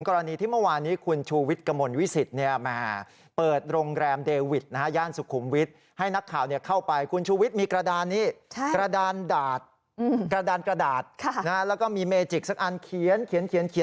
กรณีที่เมื่อวานนี้คุณชูวิทย์กมลวิสิต